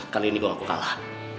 kali ini gue gak akan kalah